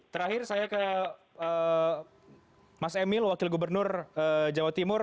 terakhir saya ke mas emil wakil gubernur jawa timur